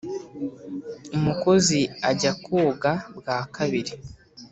umukozi ajya koga bwa kabiri